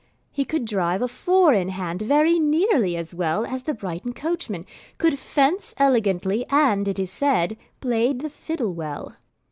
He could drive a four in hand very nearly as well as the Brighton coachman, could fence elegantly, and it is said, played the fiddle well.